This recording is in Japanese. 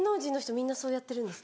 みんなそうやってるんですか？